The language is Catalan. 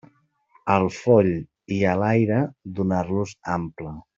Al foll i a l'aire, donar-los ample.